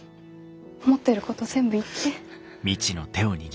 思ってること全部言って。